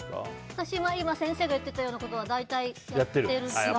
私も今、先生が言ったようなことはやってて。